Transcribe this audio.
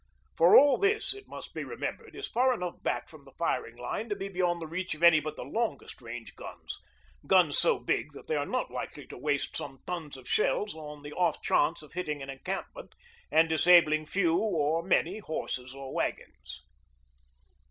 For all this, it must be remembered, is far enough back from the firing line to be beyond the reach of any but the longest range guns guns so big that they are not likely to waste some tons of shells on the off chance of hitting an encampment and disabling few or many horses or wagons.